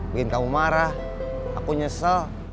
bikin kamu marah aku nyesel